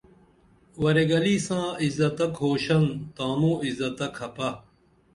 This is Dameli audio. ورے گلی ساں عِزتہ کُھوشن تانوں عِزتہ کھپہ